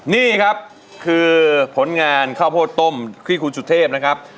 นี่ครับคือผลงานข้าวโพดต้มที่คุณสุเทพนะครับ